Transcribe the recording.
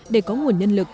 để có nguồn nhân lực